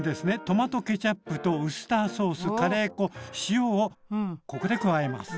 トマトケチャップとウスターソースカレー粉塩をここで加えます。